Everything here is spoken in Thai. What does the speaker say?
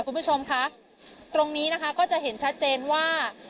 คุณผู้ชมคะตรงนี้นะคะก็จะเห็นชัดเจนว่า